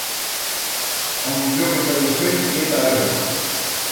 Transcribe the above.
O millor que puedes fer, ye dar-le bola.